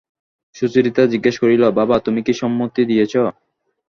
সুচরিতা জিজ্ঞাসা করিল, বাবা, তুমি কি সম্মতি দিয়েছ?